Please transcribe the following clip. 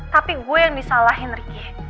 tapi gue yang disalahin ricky